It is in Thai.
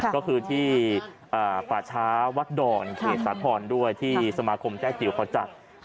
ก็คือที่ป่าช้าวัดดอนเขตสาครด้วยที่สมาคมแจ้จิ๋วเขาจัด